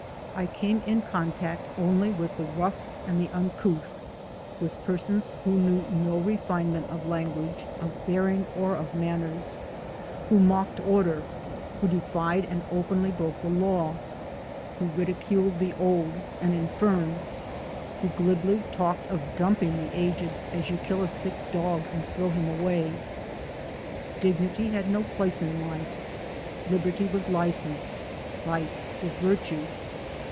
I came in contact only with the rough and the uncouth, with persons who knew no refine ment of language, of bearing or of manners; who mocked order ; who defied and openly broke the law ; who ridiculed the old and infirm; who glibly talked of dumping the aged as you kill a sick dog and throw him away. Dignity had no place in life; liberty was license; vice was virtue.